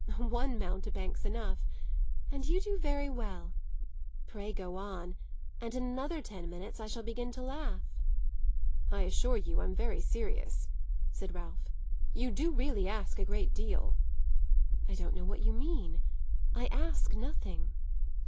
"One mountebank's enough, and you do very well. Pray go on, and in another ten minutes I shall begin to laugh." "I assure you I'm very serious," said Ralph. "You do really ask a great deal." "I don't know what you mean. I ask nothing."